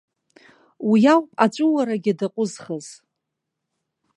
Уи ауп аҵәыуарагьы даҟәызхыз.